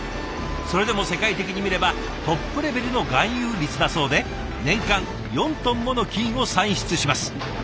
それでも世界的に見ればトップレベルの含有率だそうで年間４トンもの金を産出します。